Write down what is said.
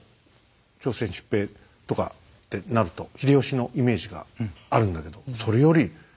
朝鮮出兵とかってなると秀吉のイメージがあるんだけどそれより全然前に信長も。